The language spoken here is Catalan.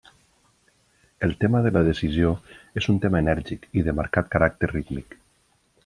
El tema de la decisió és un tema enèrgic i de marcat caràcter rítmic.